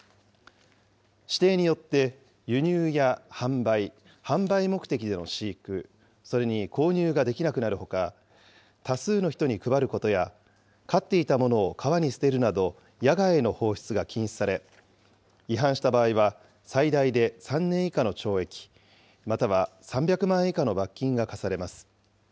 指定によって、輸入や販売、販売目的での飼育、それに購入ができなくなるほか、多数の人に配ることや、飼っていたものを川に捨てるなど、野外への放出が禁止され、違反した場合は最大で３年以下の懲役、または３００万円以下の罰金が科されます。